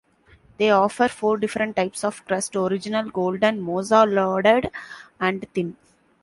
They offer four different types of crust: Original, Golden, Mozza-Loaded, and Thin.